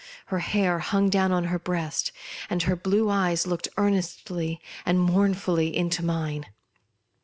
Her hair hung down on her breast, and her blue eyes looked earnestly and mc^urnfully into mine.